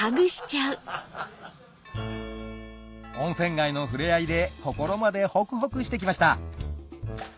温泉街の触れ合いで心までホクホクしてきました